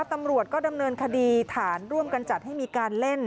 ตำรวจก็ดำเนินคดีฐานร่วมกันจัดให้มีการเล่น